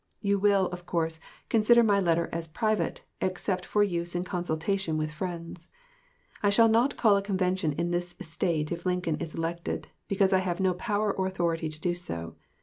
You will (of course) consider my letter as private, except for use in consultation with friends. I shall not call a convention in this State if Lincoln is elected, because I have no power or authority to do so.